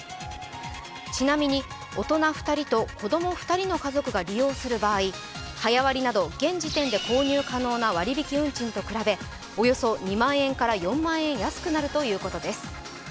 ちなみに大人２人と子供２人の家族が利用する場合早割など現時点で購入可能な割引運賃と比べ、およそ２万円から４万円安くなるということです。